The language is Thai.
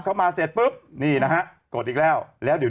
โหยวายโหยวายโหยวายโหยวายโหยวายโหยวาย